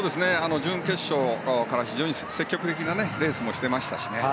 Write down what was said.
準決勝から非常に積極的なレースもしてましたし